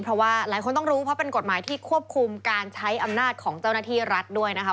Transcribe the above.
เพราะว่าหลายคนต้องรู้เพราะเป็นกฎหมายที่ควบคุมการใช้อำนาจของเจ้าหน้าที่รัฐด้วยนะคะ